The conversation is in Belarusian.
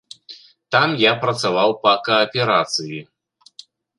Там я працаваў па кааперацыі.